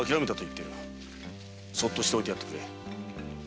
そっとしておいてやってくれ。